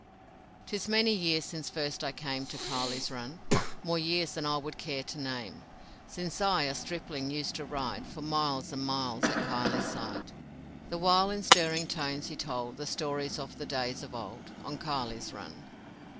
'Tis many years since first I came To Kiley's Run, More years than I would care to name Since I, a stripling, used to ride For miles and miles at Kiley's side, The while in stirring tones he told The stories of the days of old On Kiley's Run.